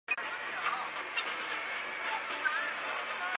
但是雅顿车队仍旧取得车队冠军。